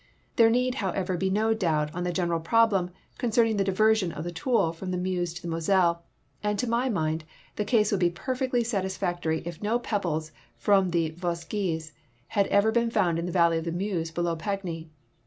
There need, however, be no doubt on the general problem concerning the diversion of the Toul from the Meuse to the Moselle, and to my mind the case would be perfectly satisfactory if no pebbles from the Vosges had ever been found in the valley of the Meuse below Pagny.